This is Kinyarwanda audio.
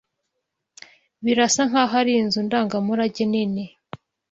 Birasa nkaho ari inzu ndangamurage nini.